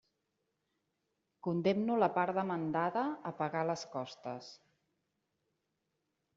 Condemno la part demandada a pagar les costes.